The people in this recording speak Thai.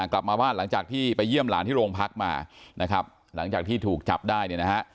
กลับมาบ้านหลังจากที่ไปเยี่ยมหลานที่โรงพักมานะครับหลังจากที่ถูกจับได้เนี่ยนะฮะ